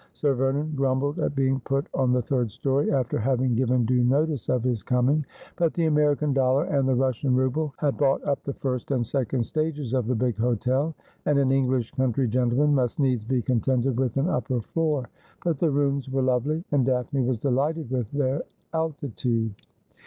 Sir Ver non grumbled at being put on the third storey, after having given due notice of his coming ; but the American dollar and the Russian rouble had bought up the first and second stages of the big hotel, and an English country gentleman must needs be contented with an upper floor. But the rooms were lovely, and Daphne was delighted with their altitude.